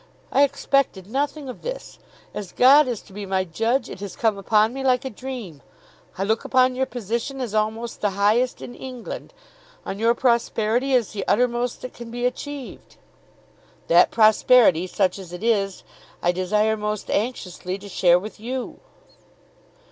I expected nothing of this. As God is to be my judge it has come upon me like a dream. I look upon your position as almost the highest in England, on your prosperity as the uttermost that can be achieved." "That prosperity, such as it is, I desire most anxiously to share with you."